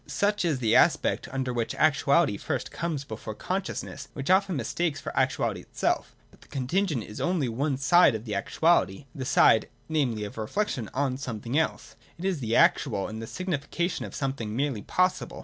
Such is the aspect under which actuality first comes before conscious ness, and which is often mistaken for actuality itself. But the contingent is only one side of the actual, — the side, namely, of reflection on somewhat else. It is the actual, in the signification of something merely possible.